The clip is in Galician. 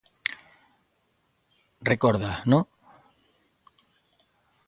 ¿Recorda, no?